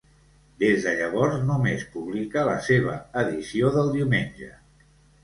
Des de llavors només publica la seva edició del diumenge.